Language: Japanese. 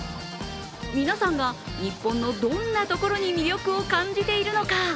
皆さんが日本のどんなところに魅力を感じているのか。